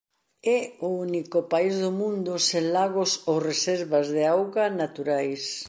É o único país do mundo sen lagos ou reservas de auga naturais.